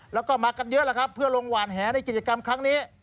แล้วก็มากันเยอะแล้วครับเพื่อลงหวานแหในกิจกรรมครั้งนี้